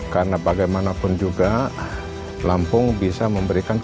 karena bagaimanapun juga lempung ini adalah kawasan yang sangat berkembang